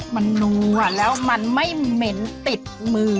มันนัวแล้วมันไม่เหม็นติดมือ